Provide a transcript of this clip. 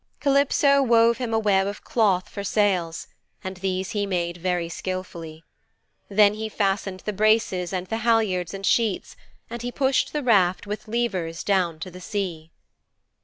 Calypso wove him a web of cloth for sails, and these he made very skilfully. Then he fastened the braces and the halyards and sheets, and he pushed the raft, with levers down to the sea.